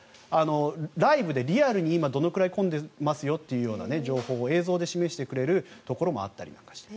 ライブでリアルに今、どれくらい混んでますよという情報を映像で示してくれるところもあったりして。